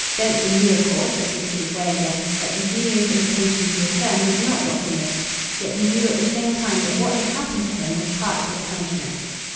Densher knew of course, as he took his way again, that Eugenio's invitation to return was not what he missed; yet he knew at the same time that what had happened to him was part of his punishment.